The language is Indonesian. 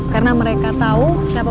karena mereka tahu siapa papi aku